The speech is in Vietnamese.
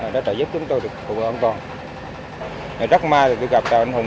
đã trợ giúp chúng tôi được cứu an toàn rất may là tôi gặp tàu anh hùng